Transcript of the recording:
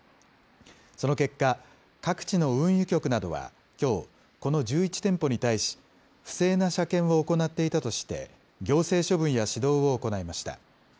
その結果、各地の運輸局などはきょう、この１１店舗に対し、不正な車検を行っていたとして行政処分や指導を行いました。